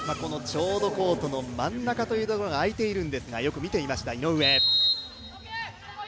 ちょうどコートの真ん中というところが空いているんですが、よく見ていました、井上。